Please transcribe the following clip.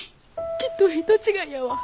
きっと人違いやわ。